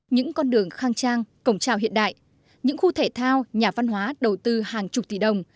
những con đường khang trang cổng trào hiện đại những khu thể thao nhà văn hóa đầu tư hàng chục tỷ đồng